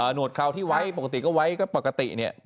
หนวดเขาที่ไว้ปกติจะไว้ก็ปกติเนี้ย